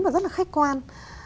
và rất là khách quan